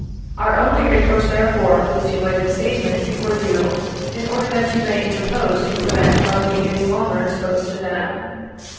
Our only recourse therefore, is to lay this statement before you, in order that you may interpose to prevent our being any longer exposed to them.